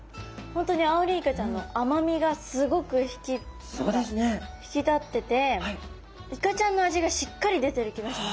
本当にアオリイカちゃんの甘みがすごく引き立っててイカちゃんの味がしっかり出てる気がします。